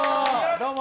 どうも！